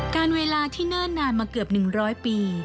การเวลาที่เนิ่นนานมาเกือบ๑๐๐ปี